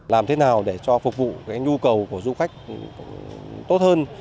làm thế nào để cho phục vụ nhu cầu của du khách tốt hơn